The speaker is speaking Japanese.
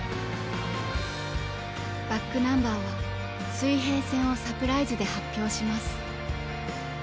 ｂａｃｋｎｕｍｂｅｒは「水平線」をサプライズで発表します。